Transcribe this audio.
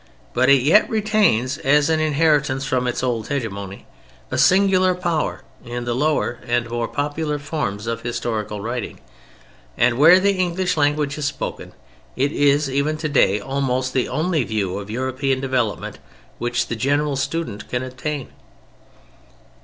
But it yet retains, as an inheritance from its old hegemony, a singular power in the lower and more popular forms of historical writing; and where the English language is spoken it is, even today, almost the only view of European development which the general student can obtain.